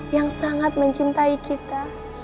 yang sangat mencintai kita